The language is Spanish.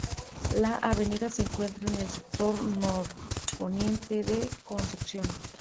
La avenida se encuentra en el sector norponiente de Concepción.